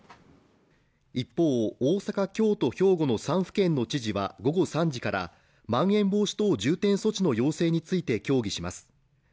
一方大阪京都兵庫の３府県の知事は午後３時からまん延防止等重点措置の要請について協議します